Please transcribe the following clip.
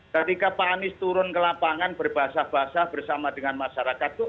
ketika pak anies turun ke lapangan berbasah basah bersama dengan masyarakat itu